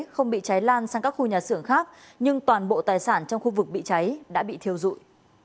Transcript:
không bị cháy lan sang các khu nhà xưởng khác nhưng toàn bộ tài sản trong khu vực bị cháy đã bị thiêu dụi